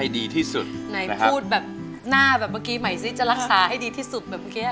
ได้๘หมื่นแล้วจะรักษาให้ดีที่สุดเลยครับ